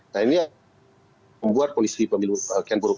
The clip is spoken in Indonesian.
nah ini membuat polisi pemilu keburu